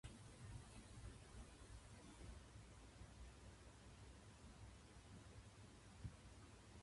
甘い食べ物が好きです